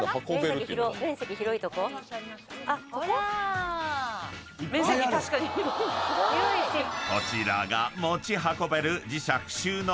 ［こちらが］